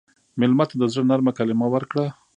مېلمه ته د زړه نرمه کلمه ورکړه.